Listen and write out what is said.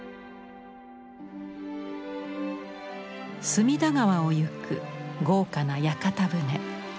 隅田川をゆく豪華な屋形船。